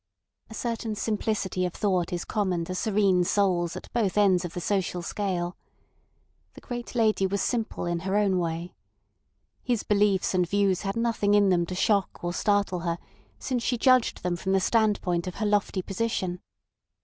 A certain simplicity of thought is common to serene souls at both ends of the social scale. The great lady was simple in her own way. His views and beliefs had nothing in them to shock or startle her, since she judged them from the standpoint of her lofty position.